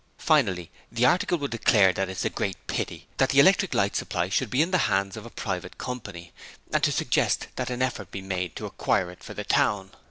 Finally, the article will declare that it's a great pity that the Electric Light Supply should be in the hands of a private company, and to suggest that an effort be made to acquire it for the town.